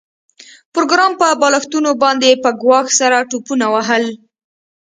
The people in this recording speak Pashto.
پروګرامر په بالښتونو باندې په ګواښ سره ټوپونه وهل